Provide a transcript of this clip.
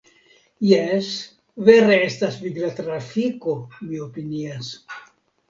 Jes, vere estas vigla trafiko, mi opinias.